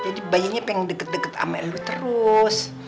jadi bayinya pengen deket deket sama lo terus